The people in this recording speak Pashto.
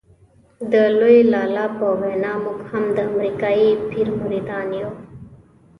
د لوی لالا په وینا موږ هم د امریکایي پیر مریدان یو.